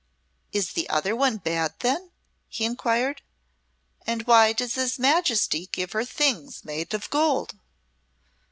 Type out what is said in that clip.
"Is the other one bad, then?" he inquired. "And why does his Majesty give her things made of gold?"